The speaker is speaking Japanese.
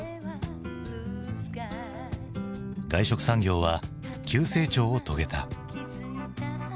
外食産業は急成長を遂げた。